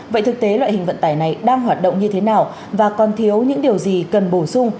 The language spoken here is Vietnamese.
vậy thực tế loại hình vận tải này đang hoạt động như thế nào và còn thiếu những điều gì cần bổ sung